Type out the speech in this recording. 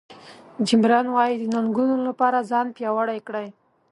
جیم ران وایي د ننګونو لپاره ځان پیاوړی کړئ.